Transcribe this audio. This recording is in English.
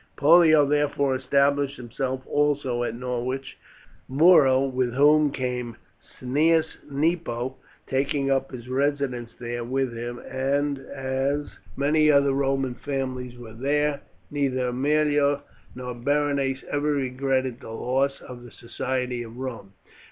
Pollio therefore established himself also at Norwich; Muro, with whom came Cneius Nepo, taking up his residence there with him, and as many other Roman families were there, neither Aemilia nor Berenice ever regretted the loss of the society of Rome.